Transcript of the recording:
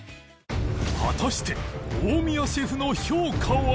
果たして大宮シェフの評価は？